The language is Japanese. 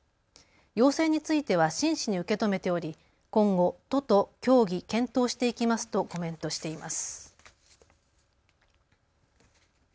要請については真摯に受け止めており今後、都と協議、検討していきますとコメントしています。